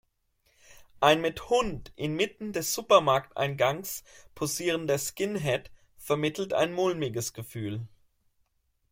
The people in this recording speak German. Ein mit Hund in Mitten des Supermarkteingangs posierender Skinhead vermittelt ein mulmiges Gefühl.